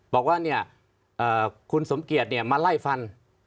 บอกว่าเนี่ยคุณสมเกียจเนี่ยมาไล่ฟัน